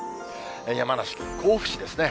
山梨県甲府市ですね。